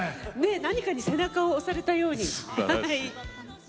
何かに背中を押されたように。